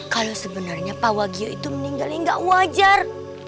kalau sebenarnya pawagio itu meninggalnya gak wajar